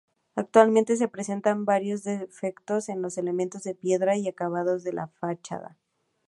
Actualmente presenta varios desperfectos en los elementos de piedra y acabados de la fachada.